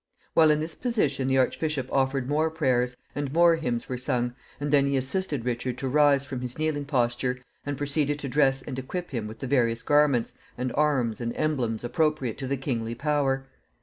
While in this position the archbishop offered more prayers, and more hymns were sung, and then he assisted Richard to rise from his kneeling posture, and proceeded to dress and equip him with the various garments, and arms, and emblems appropriate to the kingly power.